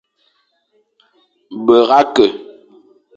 Herga ke,